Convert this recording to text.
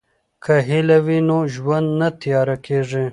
که هیله وي نو ژوند نه تیاره کیږي.